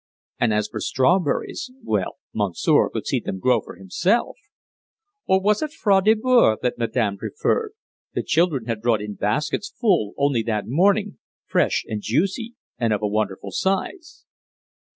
And as for strawberries well, Monsieur could see them grow for himself! or if it was fraises de Bois that Madame preferred, the children had brought in baskets full only that morning, fresh and juicy, and of a wonderful size."